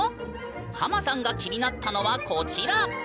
ハマさんが気になったのはこちら！